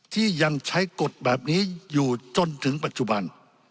ที่ยังใช้กฎแบบนี้อยู่จนถึงปัจจุบัน